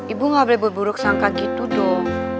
ibu gak boleh berburuk sangka gitu dok